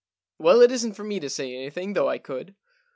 Well, it isn't for me to say anything, though I could.'